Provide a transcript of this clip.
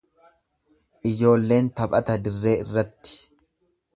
Ijoolleen taphata dirree irratti.